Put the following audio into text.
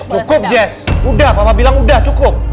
cukup jess udah papa bilang udah cukup